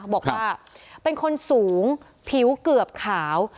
บอกว่าเป็นคนสูงผิวเกือบขาว